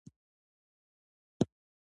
زده کړه د کومې ټولنې د سوکالۍ سبب ګرځي.